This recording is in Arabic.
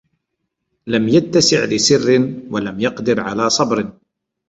لَمْ يَتَّسِعْ لِسِرٍّ ، وَلَمْ يَقْدِرْ عَلَى صَبْرٍ